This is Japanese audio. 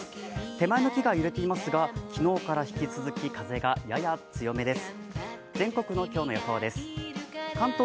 手前の木が揺れていますが昨日から引き続き、風がやや強めです。